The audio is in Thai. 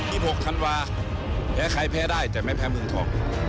สิบหกธันวาแพ้ใครแพ้ได้แต่ไม่แพ้เมืองทอง